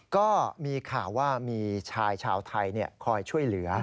ก็มีข่าวว่ามีชายชาวไทยคอยช่วยเหลือ